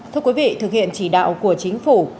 thưa quý vị thực hiện chỉ đạo của chính phủ